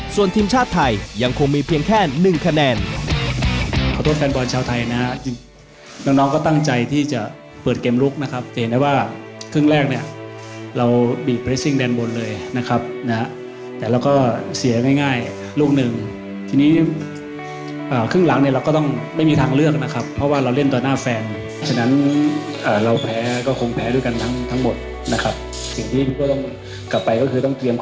ส่วนทีมชาติไทยยังคงมีเพียงแค่๑คะแนน